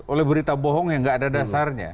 oleh berita bohong yang nggak ada dasarnya